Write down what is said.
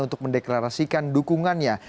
untuk mendeklarasikan dukungannya